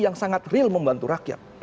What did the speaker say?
yang sangat real membantu rakyat